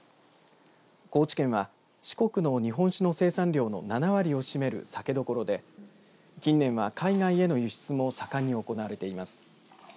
高知県は四国の日本酒の生産量の７割を占める酒どころで近年は海外への輸出も盛んに行われています。